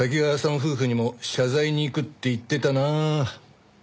夫婦にも謝罪に行くって言ってたなあ。